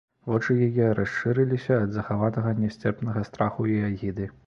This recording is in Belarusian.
Вочы яе расшырыліся ад захаванага нясцерпнага страху і агіды.